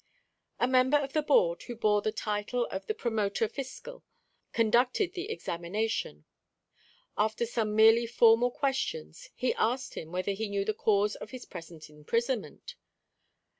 A member of the Board, who bore the title of the Promoter fiscal, conducted the examination. After some merely formal questions, he asked him whether he knew the cause of his present imprisonment?